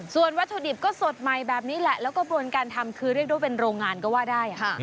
ส่วนวัตถุดิบก็สดใหม่แบบนี้แหละแล้วก็กระบวนการทำคือเรียกได้เป็นโรงงานก็ว่าได้